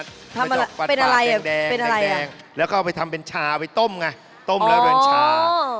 ทำมาเป็นอะไรเป็นอะไรแดงแล้วก็เอาไปทำเป็นชาเอาไปต้มไงต้มแล้วเป็นชา